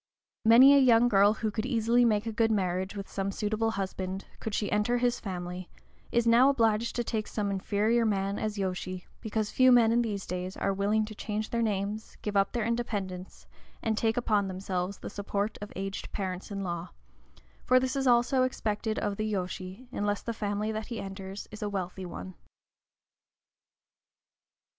Many a young girl who could easily make a good marriage with some suitable husband, could she enter his family, is now obliged to take some inferior man as yōshi, because few men in these days are willing to change their names, give up their independence, and take upon themselves the support of aged parents in law; for this also is expected of the yōshi, unless the family that he enters is a wealthy one.